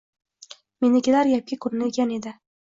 Menikilar gapga ko`nadigan edi